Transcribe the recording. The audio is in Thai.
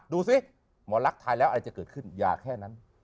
ดูสิหมอลักษายแล้วอะไรจะเกิดขึ้นอย่าแค่นั้น